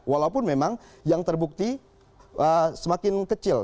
walaupun memang yang terbukti semakin kecil